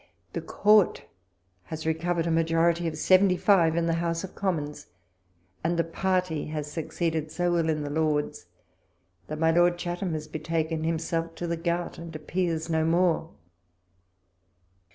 The Court has recovered a majority of seventy five in the House of Commons ; and the party has succeeded so ill in the Lords, that my Lord Chatham has betaken himself to the gout, and appears no more.